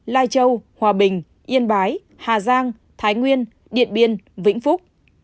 lai châu hòa bình yên bái hà giang thái nguyên điện biên vĩnh phúc